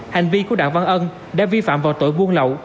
hành vi của đặng văn ân đã vi phạm vào tội buôn lậu